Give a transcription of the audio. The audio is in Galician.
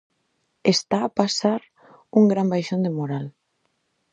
Está a pasar un gran baixón de moral.